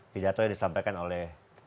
tidak tahu yang disampaikan oleh